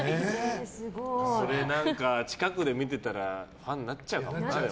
それなんか、近くで見てたらファンになっちゃうな。